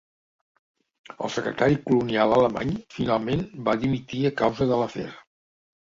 El secretari colonial alemany finalment va dimitir a causa de l'afer.